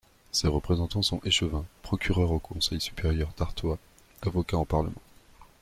Ses représentants sont échevins, procureurs au conseil supérieur d'Artois, avocats en Parlement.